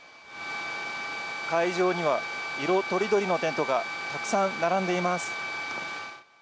会場には色とりどりのテントがたくさん並んでいます。